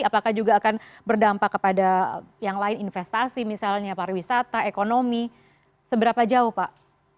apakah juga akan berdampak kepada yang lain investasi misalnya pariwisata ekonomi seberapa jauh pak